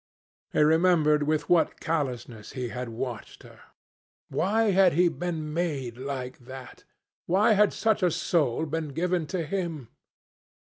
He remembered with what callousness he had watched her. Why had he been made like that? Why had such a soul been given to him?